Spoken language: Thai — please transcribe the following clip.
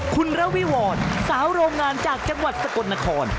คุณระวิวรสาวโรงงานจากจังหวัดสกลนคร